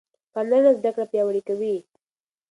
پاملرنه زده کړه پیاوړې کوي.